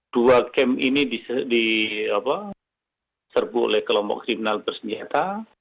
dua kem ini diserbu oleh kelompok kriminal bersenjata